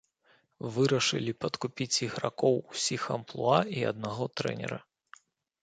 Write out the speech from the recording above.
Вырашылі падкупіць ігракоў усіх амплуа і аднаго трэнера.